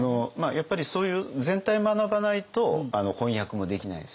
やっぱりそういう全体を学ばないと翻訳もできないですよね。